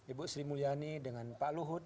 ibu sri mulyani dengan pak luhut